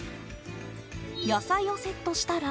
野菜をセットしたら